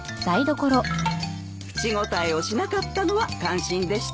口答えをしなかったのは感心でした。